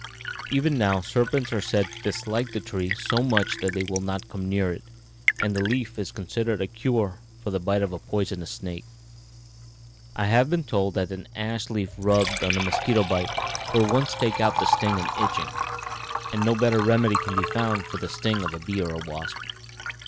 Even now serpents are said to dislike the tree so much that they will not come near it, and the leaf is considered a cure for the bite of a poisonous snake. I have been told that an ash leaf rubbed on a mosquito bite will at once take out the sting and itching, and no better remedy can be found for the sting of a bee or a wasp."